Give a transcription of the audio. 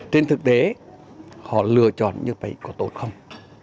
trên thực tế họ lựa chọn như vậy có tốt không